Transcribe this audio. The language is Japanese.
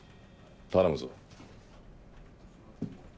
頼むぞ。